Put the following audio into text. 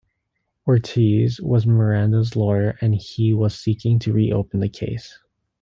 Ortiz was Miranda's lawyer and he was seeking to reopen the case.